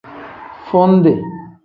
Fundi.